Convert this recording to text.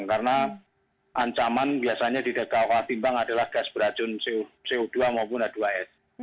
karena ancaman biasanya di kawah timbang adalah gas beracun co dua maupun h dua s